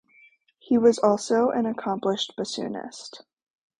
He was also an accomplished bassoonist.